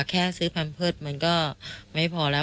แค่ซื้อแพมเพิร์ตมันก็ไม่พอแล้ว